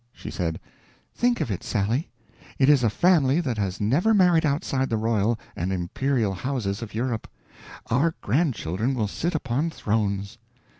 She said: "Think of it, Sally it is a family that has never married outside the Royal and Imperial Houses of Europe: our grandchildren will sit upon thrones!"